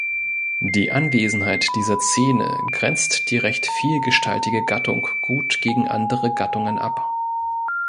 Die Anwesenheit dieser Zähne grenzt die recht vielgestaltige Gattung gut gegen andere Gattungen ab.